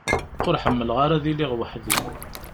Ur ḥemmleɣ ara ad iliɣ weḥd-i.